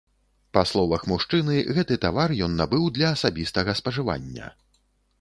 Па словах мужчыны, гэты тавар ён набыў для асабістага спажывання.